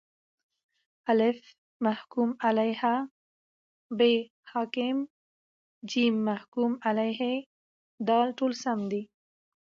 الف: محکوم علیه ب: حاکم ج: محکوم علیه د: ټوله سم دي